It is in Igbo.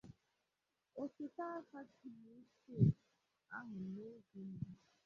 osote aka chịbụrụ steeti ahụ n'oge mbụ